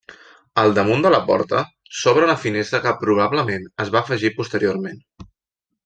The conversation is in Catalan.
Al damunt de la porta s'obre una finestra que probablement es va afegir posteriorment.